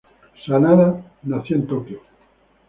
Sanada nació en Tokio.